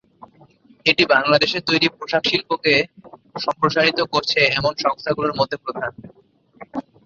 এটি বাংলাদেশের তৈরি পোশাক শিল্পকে সম্প্রসারিত করছে এমন সংস্থাগুলোর মধ্যে প্রধান।